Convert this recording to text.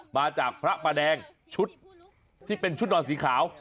มาจากพระประแดงชุดที่เป็นชุดนอนสีขาว